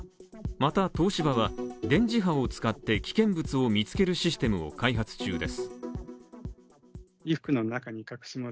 また東芝は、電磁波を使って危険物を見つけるシステムを開発中です。